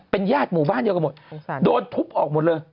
ญาติหมู่บ้านเดียวกันหมดโดนทุบออกหมดเลย